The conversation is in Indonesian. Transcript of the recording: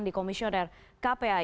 di komisioner kpai